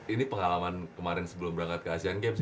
ini pengalaman kemarin sebelum berangkat ke asean games